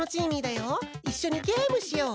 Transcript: いっしょにゲームしよう！